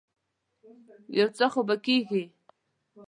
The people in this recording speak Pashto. يو څه خو به کېږي.